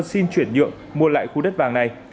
xin chuyển nhượng mua lại khu đất vàng này